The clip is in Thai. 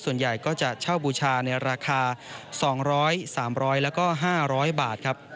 ส่วนใหญ่ก็จะเช่าบูชาในราคา๒๐๐๓๐๐แล้วก็๕๐๐บาทครับ